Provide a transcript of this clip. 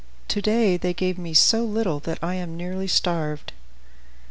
To day they gave me so little that I am nearly starved."